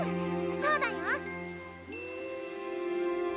そうだよ。